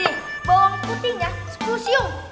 nih bawang putihnya sepuluh siung